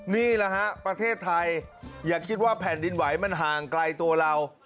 นี่แหละฮะประเทศไทยอย่าคิดว่าแผ่นดินไหวมันห่างไกลตัวเรา